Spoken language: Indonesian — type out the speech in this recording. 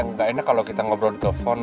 ya gak enak kalau kita ngobrol di telepon